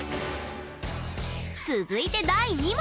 続いて第２問！